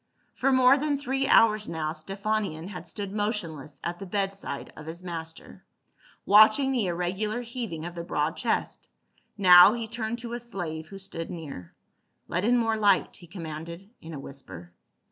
For more than three hours now Stephanion had stood motionless at the bedside of his master, watching the irregular heaving of the broad chest ; now he turned to a slave who stood near, " Let in more light," he commanded in a whisper.